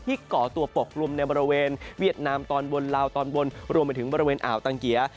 ก่อตัวปกลุ่มในบริเวณเวียดนามตอนบนลาวตอนบนรวมไปถึงบริเวณอ่าวตังเกีย